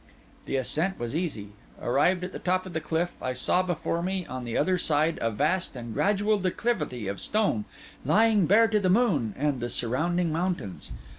The ascent was easy. Arrived at the top of the cliff, I saw before me on the other side a vast and gradual declivity of stone, lying bare to the moon and the surrounding mountains.